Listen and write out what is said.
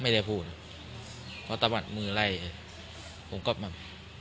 ไม่ได้พูดเพราะตะวัดมือไล่ผมก็แบบ